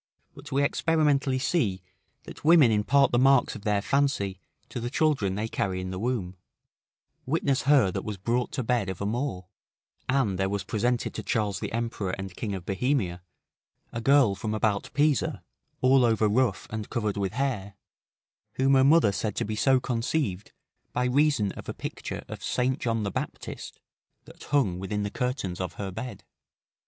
But we experimentally see that women impart the marks of their fancy to the children they carry in the womb; witness her that was brought to bed of a Moor; and there was presented to Charles the Emperor and King of Bohemia, a girl from about Pisa, all over rough and covered with hair, whom her mother said to be so conceived by reason of a picture of St. John the Baptist, that hung within the curtains of her bed.